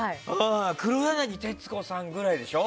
黒柳徹子さんぐらいでしょ。